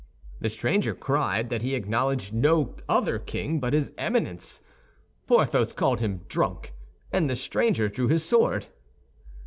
The stranger cried that he acknowledged no other king but his Eminence. Porthos called him drunk, and the stranger drew his sword.